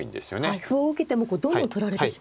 はい歩を受けてもどんどん取られてしまうんですね。